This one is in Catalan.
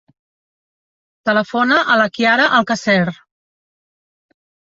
Telefona a la Chiara Alcacer.